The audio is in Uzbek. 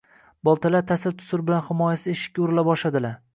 Boltalar tasir-tusur bilan himoyasiz eshikka urila boshladilar